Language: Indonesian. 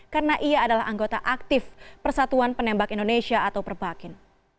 karena ia adalah anggota aktif persatuan penembak indonesia atau perbakin